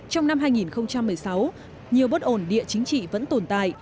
trong năm hai nghìn một mươi sáu nhiều bất ổn địa chính trị vẫn tồn tại